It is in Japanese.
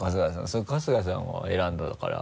それ春日さんが選んだから。